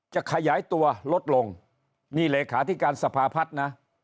จะขยายตัวลดลงนี่เลขาธิการสภาพัฒน์นะ